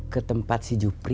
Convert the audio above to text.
ketempat si jupri